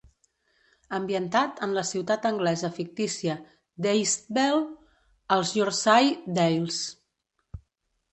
Ambientat en la ciutat anglesa fictícia d'Eastvale, als Yorshire Dales.